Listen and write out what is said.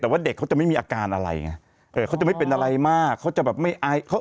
แต่ว่าเด็กเขาจะไม่มีอาการอะไรไงเออเขาจะไม่เป็นอะไรมากเขาจะแบบไม่อายเขา